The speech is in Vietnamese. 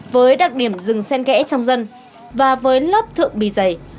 với đặc điểm rừng sen kẽ trong dân và với lớp thượng bì dày